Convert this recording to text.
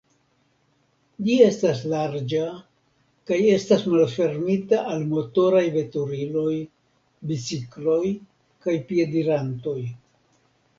Ĝi estas larĝa kaj estas malfermita al motoraj veturiloj, bicikloj kaj piedirantoj.